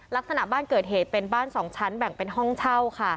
ลักษณะบ้านเกิดเหตุเป็นบ้าน๒ชั้นแบ่งเป็นห้องเช่าค่ะ